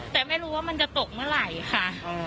แต่ไม่รู้ว่ามันจะตกเมื่อไหร่ค่ะ